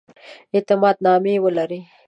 اعتماد نامې ولري.